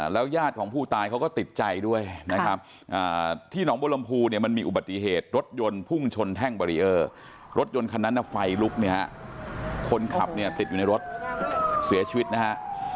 แล้วญาติของผู้ตายเขาก็ติดใจด้วยนะครับที่หนองบรมภูเนี่ยมันมีอุบัติเหตุรถยนต์พุ่งชนแท่งบารีเออร์รถยนต์คันนั้นไฟลุกเนี่ยฮะคนขับเนี่ยติดอยู่ในรถเสียชีวิตนะฮะ